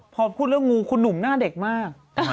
พอพูดเรื่องงูคุณหนุ่มหน้าเด็กมาก